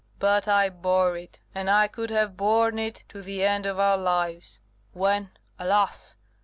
But I bore it, and I could have borne it to the end of our lives, when, alas!